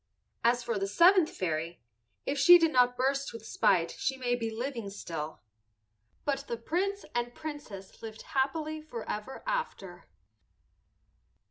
As for the seventh fairy, if she did not burst with spite she may be living still. But the Prince and Princess lived happily forever after.